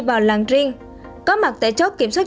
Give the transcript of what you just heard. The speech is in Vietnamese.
vào làng riêng có mặt tại chốt kiểm soát